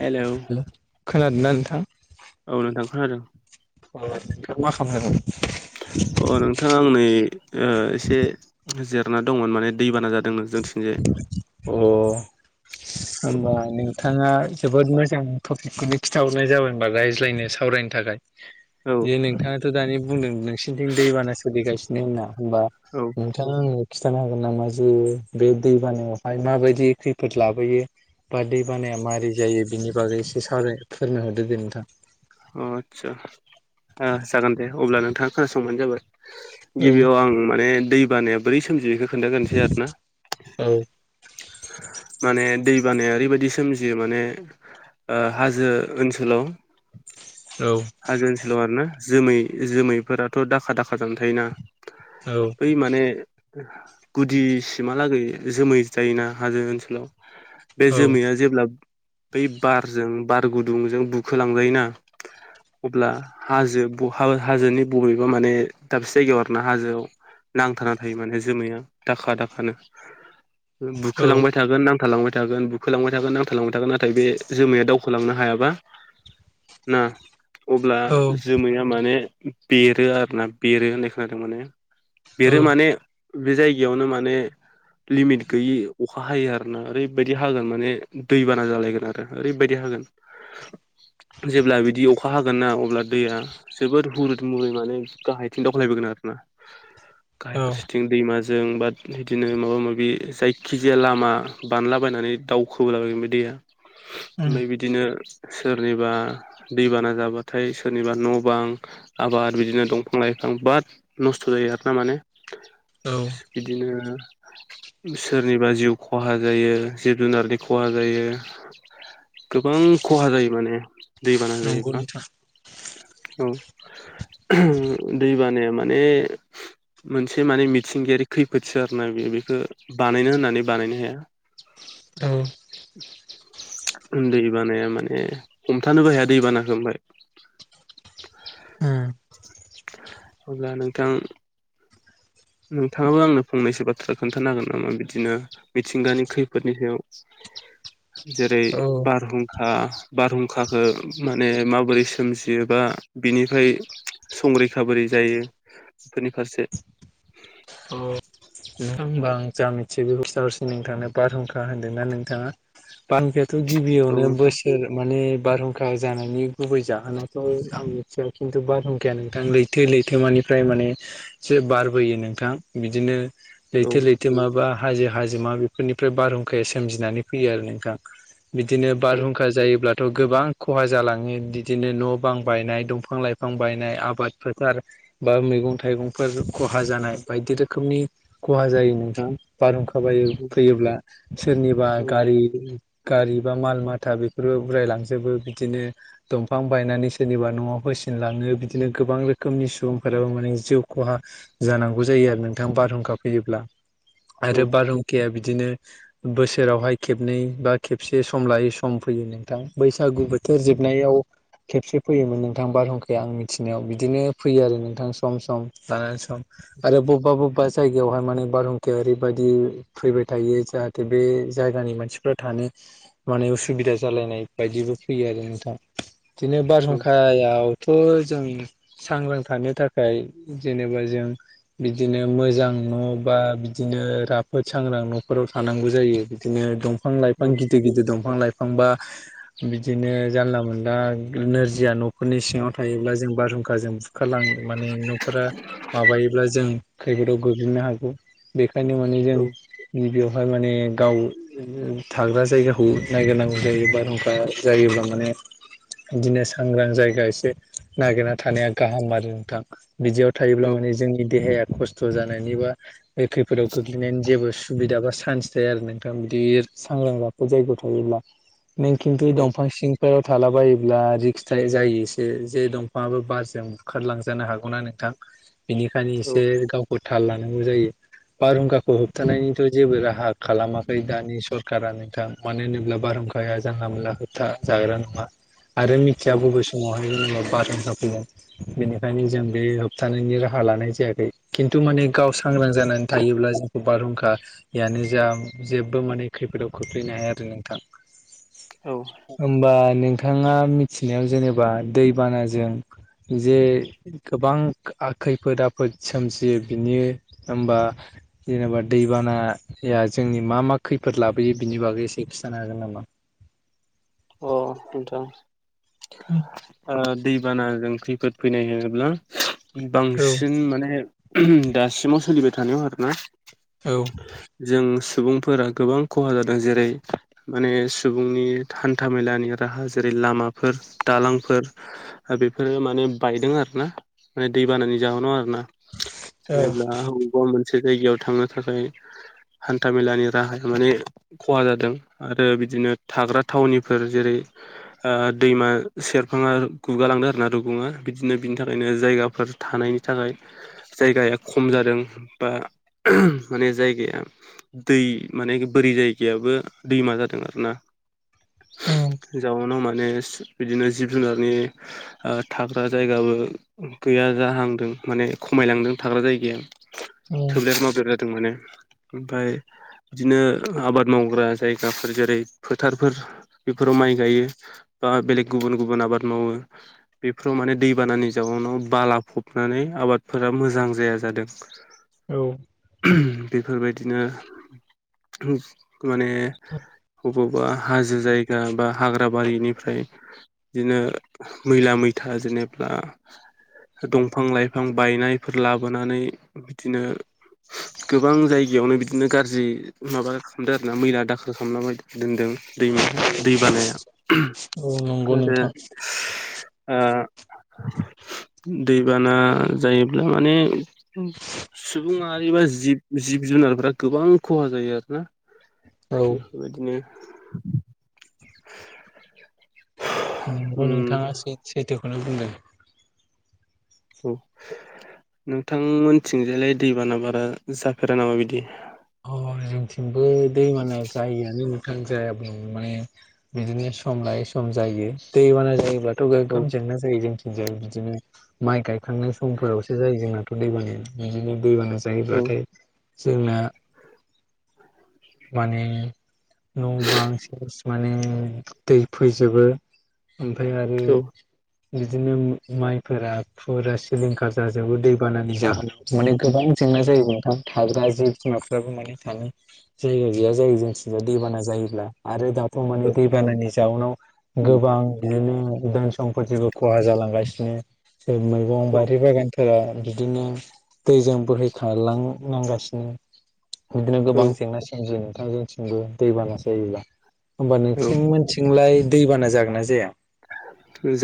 Hello. Hello खोनादोंना नोंथां? औ नोंथां खोनादों। [inaudible] अ नोंथाङा आं नै ओ एसे जिरायना दंमोन माने दैबाना जादोंना जोंथिंजाय। अ होमबा औ नोंथाङा जोबोद मोजां टपिकखौनो खिन्थाहरनाय जाबाय होनबा रायज्लायनो सा सावरायनो थाखाय। जे नोंथाङाथ' दानि बुंदों नोंसिरनिथिं दैबाना सोलिगासिनो होनना होमबा औ अ नोंथांनो खिन्थानो हागोन नामा जे बे दै बानायाव आरो माबायदि खैफोद लाबोयो बा दै बानाया मारै जायो बिनि बागै एसे सावराय फोरमाय हरदो दे नोंथां। अ आतसा जागोन दे अब्ला नोंथाङा खोनासंबानो जाबाय। औ गिबियाव आं माने दैबानाया बोरै सोमजियो बेखौ खोन्थागोनसै आरो ना। औ माने दै बानाया ओरैबादि सोमजियो माने हाजो ओनसोलाव औ हाजो ओनसोलाव आरोना जोमै जोमैफोराथ' दाखा दाखा जाना थायोना औ बै माने गुदिसिमहालागै जोमै जायोना हाजो ओनसोलाव बे औ जोमैया जेब्ला बै बारजों बार गुदुंजों बुखोलांजायोना अब्ला हाजो हाजोनि बबेबा माने दाबसे जायगायाव आरोना हाजोआव नांथारा थायो माने जोमैया दाखा दाखानो औ बुखोलांबाय थागोन नांथालांबाय थागोन बुखोलांबाय थागोन नांथालांबाय थागोन नाथाय बे जोमाया दावखोलांनो हायाबा ना अब्ला जोमैया माने बेरो आरोना बेरो होननाय खोनादों माने औ बेरो माने बे जायगायावनो माने लिमिट गैयि अखा हायो आरोना ओरैबायदि हागोन माने दैबाना जालायगोन आरो ओरैबायदि हागोन। जेब्ला बिदि अखा हागोन ना अब्ला दैया जोबोद हुरद मुरै माने गाहायथिं दावखलायबोगोन आरो ना। गाहाय औ फारसेथिं दैमाजों बा बिदिनो माबा माबि जायखि जाया लामा बानलाबायनानै दावखोबोलाबायगोन ओमफाय दैया नै बि दिनो सोरनिबा दैबाना जाबाथाय सोरनिबा न' बां आबाद बिदिनो दंफां लाइफां बिराद नस्थ' जायो आर ना माने। औ बिदिनो सोरनिबा जिउ खहा जायो जिब जुनारनि खहा जायो। गोबां खहा जायो माने दैबाना नंगौ जायोब्ला। नोंथां औ दैबानाया माने मोनसे माने मिथिंगायारि खैफोदसो आर ना बे बेखो बानायनो होननानै बानायनो हाया। औ दै बानाया माने हमथानोबो हाया दैबानाखो ओमफाय। उम अब्ला नोंथां नोंथाङाबो आंनो फंनैसो बाथ्रा खोन्थानो होन नामा बिदिनो मिथिंगानि खैफोदनि सायाव जेरै औ बारहुंखा बारहुंखखो माने माबोरै सोमजियोबा बिनिफ्राय संरैखा बोरै जायो बेफोरनि फारसे। नोंथां होमबा आं जा मिथि बे [unintelligible] हरसि नोंथांनो बारहुंखा होनदोंना नोंथाङा बारहुं थ' औ गिबियावनो नोंथां बोस सोर माने बारहुंखा जानायनि गुबै जाहोनाथ' आं मिथिया खिन्थु बारहुंखाया नोंथां लै थो लैथोमानिफ्राय माने एसे बारबोयो नोंथां बिदिनो औ लैथो लैथोमा बा हाजो हाजो मा बेफोरनिफ्राय बारहुंखाया सोमजिनानै फैयो आरो नोंथां। बिदिनो औ बारहुंखा जायोब्ला थ' गोबां खहा जालाङो बिदिनो न' बां बायनाय दंफां लाइफां बायनाय आबाद फोथार बा मैगं थाइगंफोर खहा जानाय बायदि रोखोमनि खहा जायो नोंथां बारहुंखा बायो फैयोब्ला सोरनिबा गारि गारि बा माल माथा बेफोरबो उरायलांजोबो बिदिनो दंफां बायनानै सोरनिबा न'आव होसिनलाङो बिदिनो गोबां रोखोमनि सुबुंफोराबो माने जिउ खहा जानांगौ जायो आरो नोंथां बारहुंखा फैयोब्ला औ आरो बारहुंखाया बिदिनो बोसोरावहाय खेबनै बा खेबसे सम लायै सम फैयो नोंथां बैसागु बो थोरजोबनायाव खेबसे फैयोमोन नोंथां बारहुंखाया आं मिथिनायाव बिदिनो फैयो आरो नोंथां सम सम लानानै सम। आरो बबेबा बबेबा जायगायावहाय माने बारहुंखाया ओरैबायदि फैबाय थायो जाहाथे बे जायगानि मानसिफ्रा थानो माने उसुबिदा जालायनाय बायदिबो फैयो आरो नोंथा बिदिनो औ बारहुंखायाव थ जों सांग्रां थानो थाखाय जेनेबा जों बिदिनो मोजां न' बा बिदिनो राफोद सांग्रां न'फोराव थानांगौ जायो बिदिनो दंफां दंफां लाइफां औ गिदिर गिदिर दंफां लाइफां बा बिदिनो जानला मोनला नोरजिया न'खरनि सिङाव थायोब्ला जों बारहुंखाजों सुखालां माने न'फोरा माबायोब्ला जों खैफोदाव गोग्लैनो हागौ बेखायनो माने जों गिबियावहाय माने गाव थाग्रा जायगाखौ नायगिरनांगौ जायो बारहुंखा जायोब्ला माने बिदिनो सांग्रां जायगा एसे नागिरना थानाया गाहाम आरो नोंथां। बिदियाव थायोब्ला माने जोंनि देहाया खस्थ' जानायनि बा बे खैदाव गोग्लैनायनि जेबो सुबिदा बा चान्स थाया आरो नोंथां बिदि सांग्रांफोर जायगायाव थायोब्ला नों खिन्थु दंफां सिं फोराव थालाबायोब्ला रिक्स थायो जायो एसे जे दंफांङाबो बारजों बुखारलांजानो हागौना नोंथां। बेनिखायनो एसे गावखौ थाल लानांगौ जायो बारहुंखाखौ होबथानायनिथ' जेबो राहा खालामाखै दानि सरखारा नोंथां मानो होनोब्ला बारहुंखाया जानला मोनला होबथा जाग्रा नङा। आरो औ मिथिया बबे स समावहाय जेनेबा बारहुंखा फैगोन बेनिखायनो जों बे होबथानायनि राहा लानाय जायाखै। खिन्थु माने गाव सांग्रां जानानै थायोब्ला जों बारहुंखायानो जा जेबो माने खैफोदाव खोख्लैनो हाया आरो नोंथां। ज औ। होमबा नोंथाङा मिथिनायाव जेनेबा दैबानाजों जे गोबां खैफोद आफोद सोमजियो बिनि होमबा जेनेबा दैबानाया जोंनि मा मा खैफोद लाबोयो बिनि बागै एसे खिन्थानो हागोन नामा? अ नोंथां ओ दैबानाजों खैफोद फैनाय होनोब्ला औ बांसिन माने दासिमाव सोलिबाय थानायाव आरो ना औ। जों सुबुंफोरा गोबां खहा जादों जेरै माने सुबुंनि हान्था मेलानि राहा जेरै लामाफोर दालांफोर बेफोरो माने बायदों आरोना माने दै बानानि जाहोनाव आरोना। जेनेबा बबेबा मोनसे जायगायाव थांनो थाखाय हान्था मेलानि राहाया माने खहा जादों आरो बिदिनो थाग्रा थावनिफोर जेरै ओ दैमा सेरफाङा गुगालांङो आरोना रुगुङा बिदिनो बिनि थाखायनो जायगाफोर थानायनि थाखाय जायगाया खम जादों बा माने जायगाया दै माने बोरि जायगायाबो दैमा जादों आरो ना। जाउनाव माने बिदिनो जिब जुनारनि ओ थाग्रा जायगाबो गैया जाहांदों माने खमायलांदों थाग्रा जायगाया। [unintelligible] औ ओमफ्राय बिदिनो आबाद मावग्रा जायगाफोर जेरै फोथार बे बेफोराव माइ गायो बा बेलेग गुबुन गुबुन आबाद मावो बेफोराव माने दैबानानि जाउनाव बाला फबनानै आबादफोरा मोजां जाया जादों ब औ। बेफोरबायदिनो माने बबेबा हाजो जायगा बा हाग्रा ग्राबारिनिफ्राय बिदिनो मैला मैथा जेनेबा दंफां लाइफां बायनायफोर लाबोनानै बिदिनो गोबां जायगायावनो बिदि बिदिनो गाज्रि माबा खालामदों आर ना मैला दाखोर खालामना दोनदों दैमाया दै बानाया औ नंगौ आरो नोंथां। दैबाना जायोब्ला माने सुबुंमाहारिबा जिब जिब जुनारफोरा गोबां खहा जायो आरो ना औ बेफोरबायदिनो नंगौ उम नोंथाङाै सैथोखौनो बुंदों औ नोंथांमोनथिंजायलाय दैबाना बारा जाफेरा नामा बिदि अ जोंथिंबो दैमाना जायआानो मोथां जायाब्ला माने बिदिनो सम लायै सम जायो दैबाना जायोब्लाथ' औ गोगोम जेंना जायो जों ज बिदिनो माइ गायखांनाय समफोरावसो जायो जोंनाथ' दैबान बिदिनो दैबा औ जायोब्लाथाय जोंना माने न' बांसिन माने दै फैजोबो ओमफ्राय आरो औ बिदिनो माइफोरा फुरा सिलिंखार जाजोबो दैबानानि जाहोनाव माने गोबां जेंना जायो नोंथां थाग्रा जिे बिमाफ्राबो माने थानो जायगा गैया जायो जोंथिं दैबाना जायोब्ला आरो दाथ' माने दैबानानि जाउनाव गोबां बिदिनो धोन सम्पतखौ खहा जालांगासिनो ज मैगं बारि बागान फोर बिदिनो दैजों बोहैखालांनांगासिनो बिदिनो औ गोबां जेंनासिें ज नोंथां जथिंबो दैबाना जायोब्ला होमबा औ नोंसिनिथि सिथिंलाय दैबाना जागोन ना जाया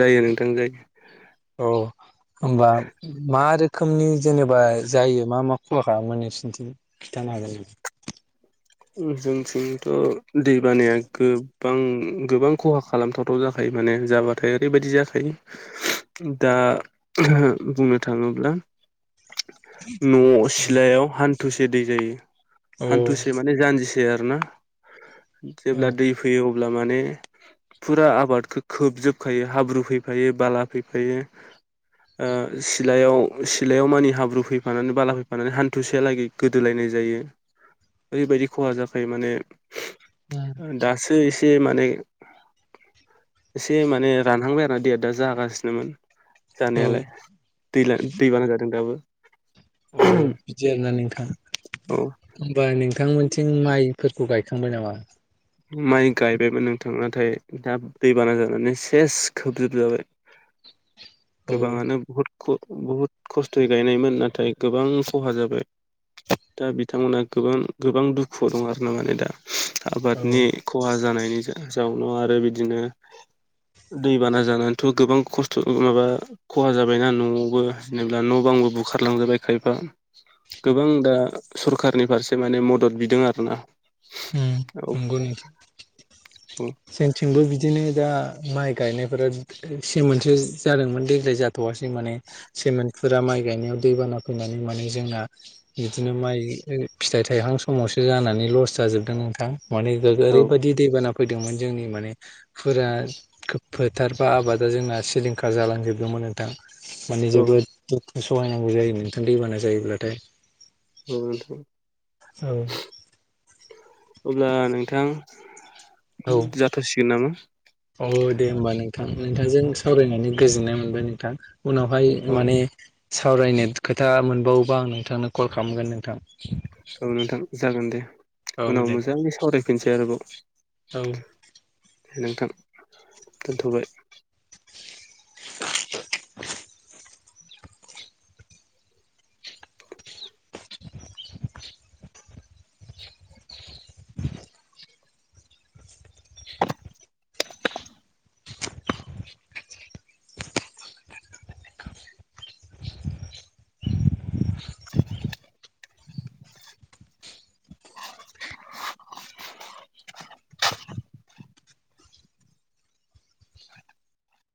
जायो नोंथां जायो अ होमबा म आरो रोखोमनि जेनेबा जायो मा मा खुवाख मोनै फिन्थिनो खिन्थानो हागोन जोंथिंथ' दै बानाया गोबां गोबां खहा खालामथावथाव जाखायो माने जाबाथाय ओरैबायदि जाखायो दा बुंनो थाङोब्ला [inaudible] न' सिलायाव हान्थुसे दै जायो औ हान्थुसे मे जानजिसै आरो ना औ जेब्ला दै फैयो अब्ला माने फुरा आबादखौ खोबजोबखायो हाब्रु फैफायो बाला फैफायो सिलायाव सिलायाव मानि हाब्रु फैफानानै बाला फैफानानै हान्थुसेयालागै गोदोलायनाय जायो ओरैबायदि खहा जाखायो माने दासो एसे माने एसे माने रानहांबाय आरोा दैया दा जागासिनोमोन औ जानायालाय दै दैबाना जादों दाबो औ बिदि आरोना नोंथाङा औ होमबा नोंथांमोनथिं माइफोरखौ गायखांबाय नामा माइ गायबायमोन नोंथां नाथाय दा दैबाना जानानै सेस खोबजोबजाबाय। औ गोबांङानो बुहुत ख' बुहुत खस्थ'यै गायनायमोन नाथाय गोबां ख'हा जाबाय। दा बिथांमोनहा गोबां गोबां दुखु दं आरो ना माने दा औ आबादनि ख'हा जानायनि जा जाउनाव आरो बिदिनो दैबाना जानानैथ' गोबां खस्थ' ओ माबा ख'हा जाबायना न'आवबो जेनोबा न' बांबो बुखारलांजाबाय खायफा। गोबां दा सरखारारनि फारसे माने मदद बिदों आरोना औ नंगौ न जोंथिंबो बिदिनो दा माइ गायनायफोरा सेमोनसो जा जादोंमोन देग्लाय जाथ'वासै माने। सेमोनदफुरा माइ गायनायाव दैबाना फैनानै माने जोंना बिदिनो माइ ओ फिथाइ थाइहां समावसो आनानै जानानै लस जाजोबदों नोंथां माने औ ओरैबायदि दैबाना फैदोंमोन जोंनि माने फोरा फोथार बा आबादा जोंना सिलिंखार जालांजोबदोंमोन नोंथां। माने औ जोबोद दुखु सहायनांगौ जायो नोंथां दैबाना जायोब्लाथाय। ओ नोंथां। औ। अब्ला नोंथां ओम जाथ'सिगोन नामा। अ' दे होमबा नोंथां नोंथांजों सावरायनानै गोजोननाय मोनबाय नोंथां। उनावहाय औ माने सावरायनो खोथा मोनबावोबा आं नोंथांनो कल खालामगोन नोंथां। औ नोंथां जागोन दे औ उनाव दे मोजांङै सावरायफिनसै आरोबाव। औ। नोंथां दोनथ'बाय।